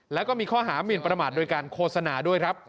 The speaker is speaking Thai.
แล้วก็มีข้อหามินประมาทโดยการโฆษณาด้วยครับ